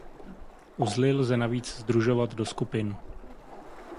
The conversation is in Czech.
Uzly lze navíc sdružovat do skupin.